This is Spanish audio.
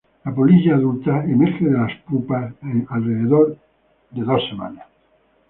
La polilla adulta emerge de la pupa en alrededor de dos semanas.